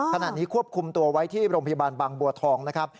ขณะนี้ควบคุมตัวไว้ที่โรงพยาบาลบางบัวทองนะครับ